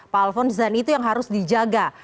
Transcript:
pak alfons dan itu yang harus dijaga